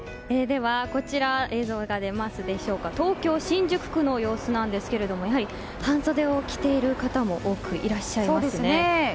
では、東京・新宿区の様子なんですけれどもやはり半袖を着ている方も多くいらっしゃいますね。